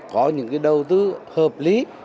có những cái đầu tư hợp lý